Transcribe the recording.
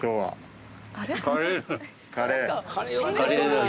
カレー？